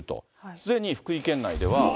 すでに福井県内では。